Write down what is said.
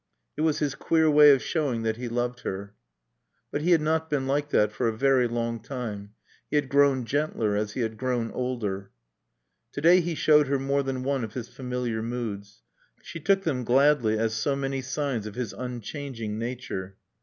It was his queer way of showing that he loved her. But he had not been like that for a very long time. He had grown gentler as he had grown older. To day he showed her more than one of his familiar moods. She took them gladly as so many signs of his unchanging nature.